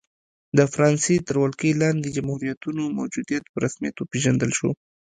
د فرانسې تر ولکې لاندې جمهوریتونو موجودیت په رسمیت وپېژندل شو.